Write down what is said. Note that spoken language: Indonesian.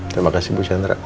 terima kasih bu sandra